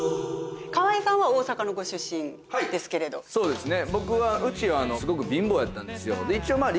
はいそうですね。